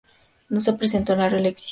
No se presentó a la reelección.